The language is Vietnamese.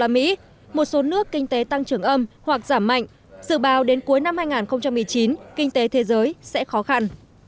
một số nước kinh tế tăng trưởng âm hoặc giảm mạnh dự báo đến cuối năm hai nghìn một mươi chín kinh tế thế giới sẽ khó khăn